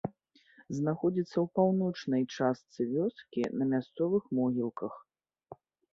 Знаходзіцца ў паўночнай частцы вёскі на мясцовых могілках.